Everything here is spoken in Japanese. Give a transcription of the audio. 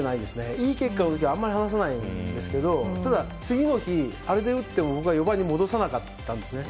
いい結果の時はあんまり話さないんですけど次の日、あれで打っても４番に戻さなかったんですね。